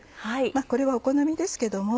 これはお好みですけども。